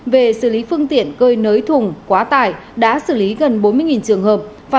về xử lý phương tiện cơi nới thùng quá tải đã xử lý gần bốn mươi trường hợp